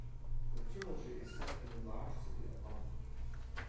The trilogy is set in the large city of London.